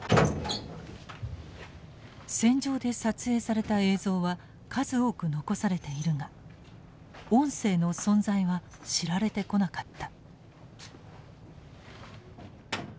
戦場で撮影された映像は数多く残されているが音声の存在は知られてこなかった。